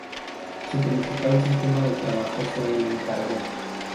Su principal sistema de trabajo fue el encargo.